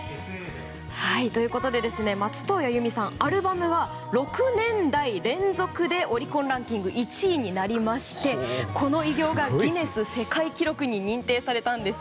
松任谷由実さん、アルバムは６年代連続でオリコンランキング１位になりましてこの偉業がギネス世界記録に認定されたんです。